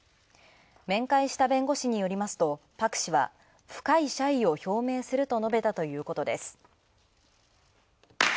面会した弁護士によりますとパク氏は、深い謝意を表明すると述べたということです。